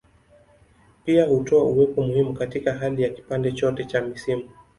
Pia hutoa uwepo muhimu katika hali ya kipande chote cha misimu.